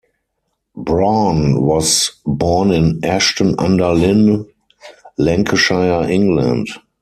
Brawn was born in Ashton-under-Lyne, Lancashire, England.